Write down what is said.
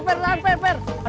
per per per per per